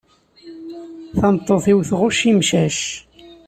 Tameṭṭut-iw tɣucc imcac.